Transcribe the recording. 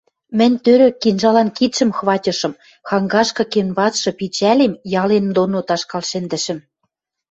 Мӹнь тӧрӧк кинжалан кидшӹм хватьышым, хангашкы кенвацшы пичӓлем ялем доно ташкал шӹндӹшӹм.